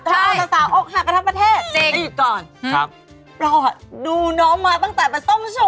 ธรรมสตาวอกหักกระทะปะเทศ